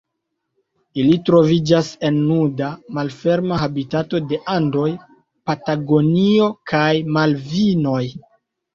Ili troviĝas en nuda, malferma habitato de Andoj, Patagonio kaj Malvinoj.